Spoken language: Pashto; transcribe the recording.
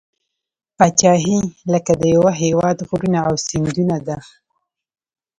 پاچهي لکه د یوه هیواد غرونه او سیندونه ده.